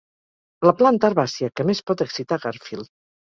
La planta herbàcia que més pot excitar Garfield.